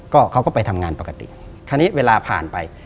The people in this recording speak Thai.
ก็เขาก็ไปทำงานปกติคราวนี้เวลาผ่านไป